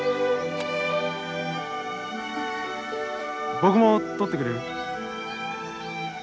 僕も撮ってくれる？